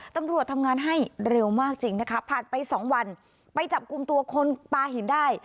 ตำรวจทำงานให้เร็วมากจริงนะคะผ่านไปสองวันไปจับกลุ่มตัวคนปลาหินได้